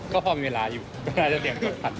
ก็พอมีเวลาอยู่ในได้และเตียงกดเขา